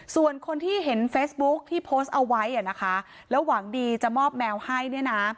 ส่วนคนที่เห็นเฟซบุ๊คที่โพสต์เอาไว้อ่ะนะคะแล้วหวังดีจะมอบแมวให้เนี่ยนะ